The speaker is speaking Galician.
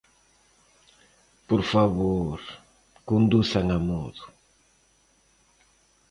Por favor, conduzan amodo